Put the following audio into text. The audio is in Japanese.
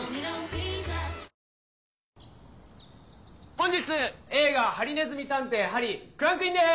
本日映画『ハリネズミ探偵・ハリー』クランクインです